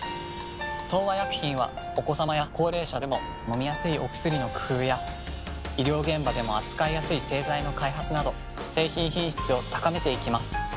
東和薬品はお子さまや高齢者でも飲みやすいお薬の工夫や医療現場でも扱いやすい製剤の開発など製品品質を高めていきます。